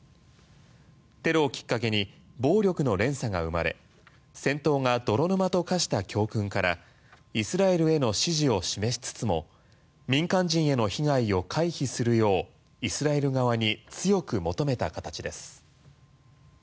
テロをきっかけに暴力の連鎖が生まれ戦闘が泥沼と化した教訓からイスラエルへの支持を示しつつも民間人への被害を回避するようイスラエル側に強く求めた形です。